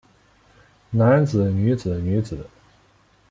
男子女子女子